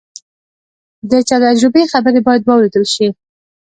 د تجربې خبرې باید واورېدل شي.